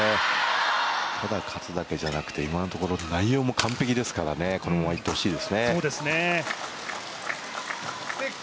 ただ勝つだけじゃなくて、今のところ内容も完璧ですからねこのままいってほしいですね。